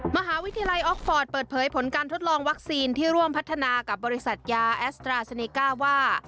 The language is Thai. มหาวิทยาลัยออกฟอร์ตเปิดเผยผลการทดลองวัคซีนที่ร่วมพัฒนากับบริษัทยาแอสตราเซเนก้าว่า